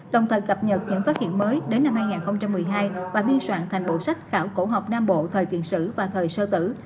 đồng thời cập nhật những phát hiện mới đến năm hai nghìn một mươi hai và biên soạn thành bộ sách khảo cổ học nam bộ thời kỳ sử và thời sơ tử